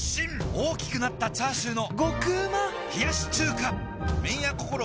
大きくなったチャーシューの麺屋こころ